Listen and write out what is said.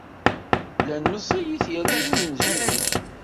Llan meẓẓiyit yernu d imenzugen.